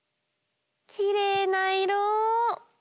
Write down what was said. きれいないろ！